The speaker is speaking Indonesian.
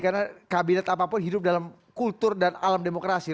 karena kabinet apapun hidup dalam kultur dan alam demokrasi